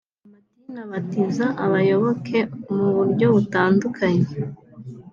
Amadini abatiza abayoboke mu buryo butandukanye